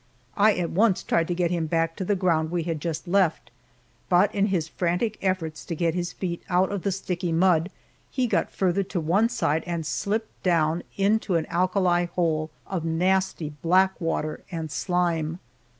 I at once tried to get him back to the ground we had just left, but in his frantic efforts to get his feet out of the sticky mud, he got farther to one side and slipped down into an alkali hole of nasty black water and slime.